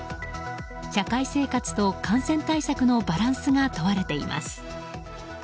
社会生活と感染対策のバランスが問われています。